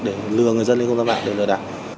để lừa người dân lên không gian mạng để lừa đảo